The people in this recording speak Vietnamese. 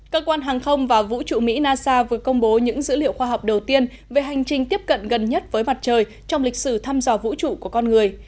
cơ quan hàng không và vũ trụ mỹ nasa vừa công bố những dữ liệu khoa học đầu tiên về hành trình tiếp cận gần nhất với mặt trời trong lịch sử thăm dò vũ trụ của con người